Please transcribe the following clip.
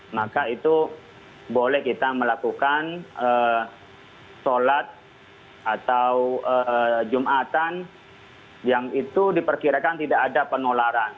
maka itu boleh kita melakukan sholat atau jumatan yang itu diperkirakan tidak ada penularan